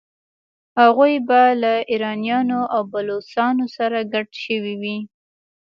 هغوی به له ایرانیانو او بلوڅانو سره ګډ شوي وي.